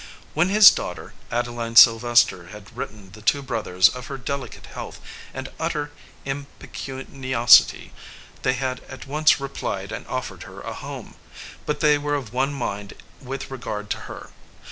When his daughter, Ade line Sylvester, had written the two brothers of her delicate health and utter impecuniosity, they had at once replied and offered her a home; but they were of one mind with regard to her.